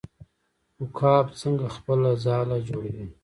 عقاب څنګه خپله ځاله جوړوي؟